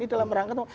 ini dalam rangka tuh